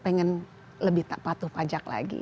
pengen lebih tak patuh pajak lagi